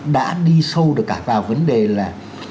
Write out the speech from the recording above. đã đi sâu được cả vào vấn đề là